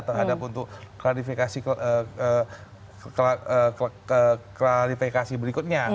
terhadap untuk klarifikasi berikutnya